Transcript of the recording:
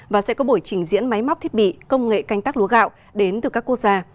và sẽ có buổi trình diễn máy móc thiết bị công nghệ canh tác lúa gạo đến từ các quốc gia